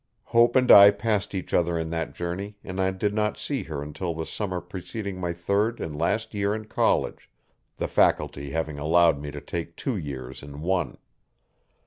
Hope and I passed each other in that journey and I did not see her until the summer preceding my third and last year in college the faculty having allowed me to take two years in one.